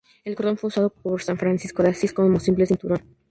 El cordón fue usado por San Francisco de Asís, como simple cinturón.